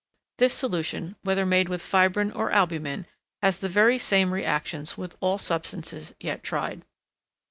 This solution, whether made with fibrine or albumen, has the very same re actions with all substances yet tried.